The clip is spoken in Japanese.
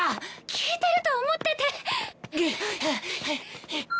聞いてると思ってて！